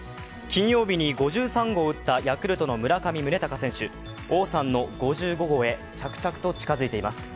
金曜日に５３号を打ったヤクルトの村上宗隆選手、王さんの５５号へ着々と近づいています。